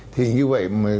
thì như vậy